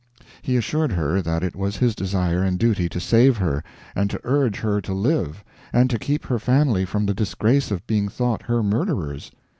He assured her that it was his desire and duty to save her, and to urge her to live, and to keep her family from the disgrace of being thought her murderers.